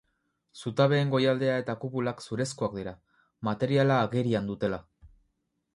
Zutabeen goialdea eta kupulak zurezkoak dira, materiala agerian dutela.